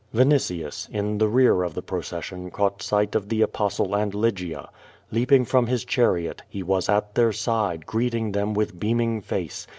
Vinitius, in the rear of the procession caught sight of the Apostle and Lygia. Leaping from his chariot, he was at their side, greeting them with beaming face.